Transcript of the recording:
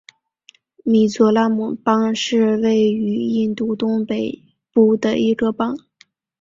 米佐拉姆邦是位于印度东北部的一个邦。